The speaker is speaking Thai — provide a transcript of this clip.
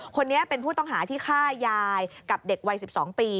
คนนี้เป็นผู้ต้องหาที่ฆ่ายายกับเด็กวัย๑๒ปี